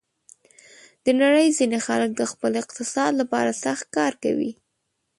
د نړۍ ځینې خلک د خپل اقتصاد لپاره سخت کار کوي.